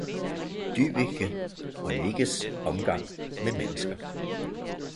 Dyveke og Knigges Omgang med Mennesker.